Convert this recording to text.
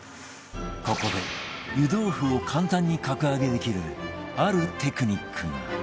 ここで湯豆腐を簡単に格上げできるあるテクニックが